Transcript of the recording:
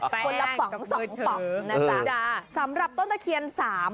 แป้งกับโทรศัพท์นะจ๊ะสำหรับต้นตะเคียนสาม